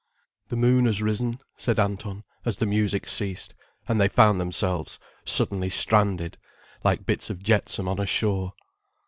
"The moon has risen," said Anton, as the music ceased, and they found themselves suddenly stranded, like bits of jetsam on a shore.